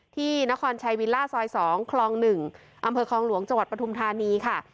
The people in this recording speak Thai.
ที่นครชัยวิลล่าซอย๒คลอง๑อำเภอคลองหลวงจังหวัดปฐุมธานีค่ะ